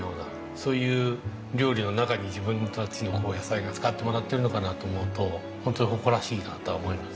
そういう料理の中に自分たちの野菜が使ってもらってるのかなと思うと本当に誇らしいなと思います。